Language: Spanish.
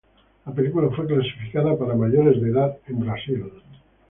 La película fue clasificada para "mayores de edad" en Brasil.